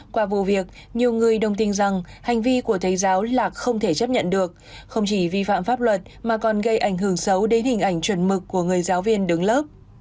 qua vụ việc nhiều người đồng tin rằng hành vi của thầy giáo là không thể chấp nhận được không chỉ vi phạm pháp luật mà còn gây ảnh hưởng xấu đến hình ảnh chuẩn mực của người giáo viên đứng lớp